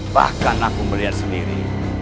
bahkan aku melihat sendiri